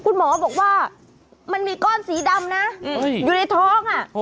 คุณหมอบอกว่ามันมีก้อนสีดำนะอยู่ในท้อง